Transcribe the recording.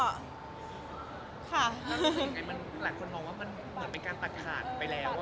ยังไงมันหลายคนมองว่ามันเหมือนเป็นการตัดขาดไปแล้ว